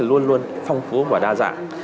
luôn phong phú và đa dạng